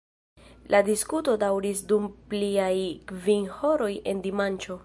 La diskuto daŭris dum pliaj kvin horoj en dimanĉo.